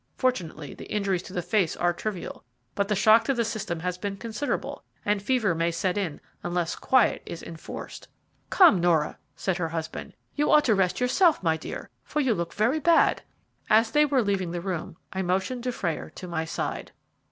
Fortunately the injuries to the face are trivial, but the shock to the system has been considerable, and fever may set in unless quiet is enforced." "Come, Nora," said her husband; "you ought to rest yourself, my dear, for you look very bad." As they were leaving the room I motioned Dufrayer to my side.